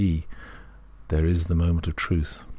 e. there is the moment of truth.